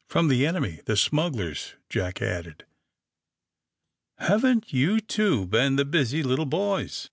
'' ^^From the enemy, the smugglers," Jack added. ^'Haven't you two been the busy little boys!